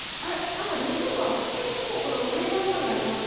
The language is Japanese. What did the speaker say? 何か日本が結構この上の方にありますけど。